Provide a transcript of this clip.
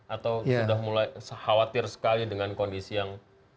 atau sudah mulai khawatir sekali dengan kondisi yang